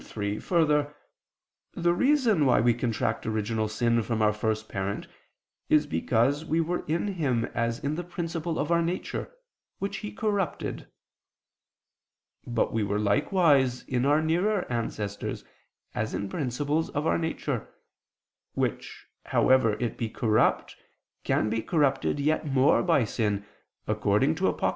3: Further, the reason why we contract original sin from our first parent is because we were in him as in the principle of our nature, which he corrupted. But we were likewise in our nearer ancestors, as in principles of our nature, which however it be corrupt, can be corrupted yet more by sin, according to Apoc.